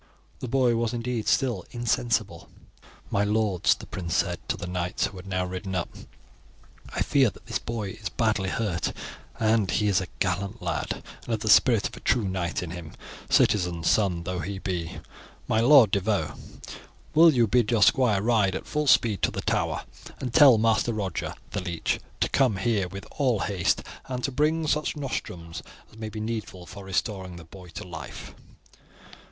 The boy was indeed still insensible. "My lords," the prince said to the knights who had now ridden up, "I fear that this boy is badly hurt; he is a gallant lad, and has the spirit of a true knight in him, citizen's son though he be. My Lord de Vaux, will you bid your squire ride at full speed to the Tower and tell Master Roger, the leech, to come here with all haste, and to bring such nostrums as may be needful for restoring the boy to life."